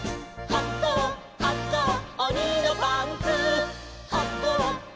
「はこうはこうおにのパンツ」